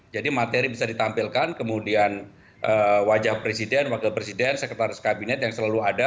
jadi materi bisa ditampilkan kemudian wajah presiden wakil presiden sekretaris kabinet yang selalu ada